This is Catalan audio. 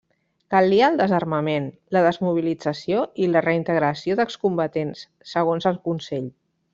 Calia el desarmament, la desmobilització i la reintegració d'excombatents, segons el Consell.